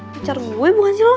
percara gue bukan sih loh